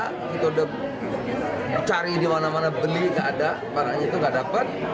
kita udah cari di mana mana beli nggak ada barangnya itu nggak dapat